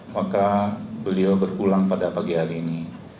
maka beliau berpulang pada pagi hari ini